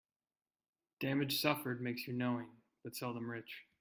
Damage suffered makes you knowing, but seldom rich.